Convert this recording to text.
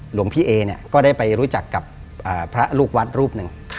หลวงพี่เอเนี่ยก็ได้ไปรู้จักกับพระลูกวัดรูปหนึ่ง